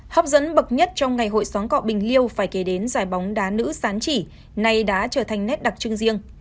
hấp dẫn bậc nhất trong ngày hội xóa cọ bình liêu phải kể đến giải bóng đá nữ sán chỉ nay đã trở thành nét đặc trưng riêng